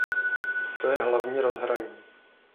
To je hlavní rozhraní.